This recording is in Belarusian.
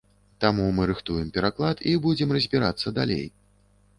Таму мы рыхтуем пераклад і будзем разбірацца далей.